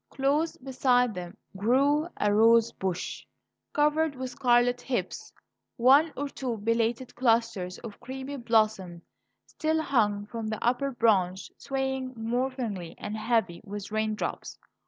Close beside them grew a rose bush, covered with scarlet hips; one or two belated clusters of creamy blossom still hung from an upper branch, swaying mournfully and heavy with raindrops.